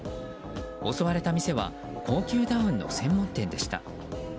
襲われた店は高級ダウンの専門店でした。